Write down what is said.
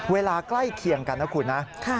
ใกล้เคียงกันนะคุณนะ